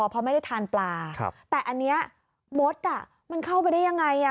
เพราะไม่ได้ทานปลาแต่อันนี้มดมันเข้าไปได้ยังไง